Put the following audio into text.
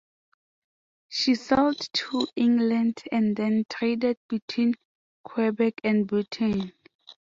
She sailed to England and then traded between Quebec and Britain.